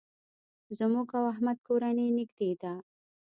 زموږ او احمد کورنۍ نېږدې ده.